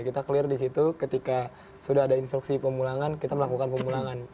kita clear di situ ketika sudah ada instruksi pemulangan kita melakukan pemulangan